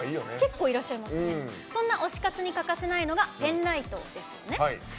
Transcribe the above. そんな推し活に欠かせないのがペンライトですよね。